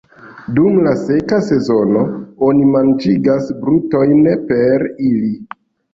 Dum la seka sezono oni manĝigas brutojn per ili.